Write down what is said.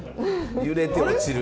揺れて落ちる。